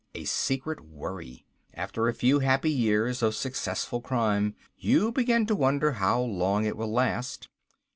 A secret worry. After a few happy years of successful crime you begin to wonder how long it will last.